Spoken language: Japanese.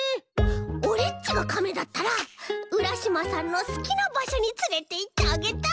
オレっちがカメだったらうらしまさんのすきなばしょにつれていってあげたい！